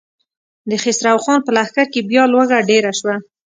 د خسرو خان په لښکر کې بيا لوږه ډېره شوه.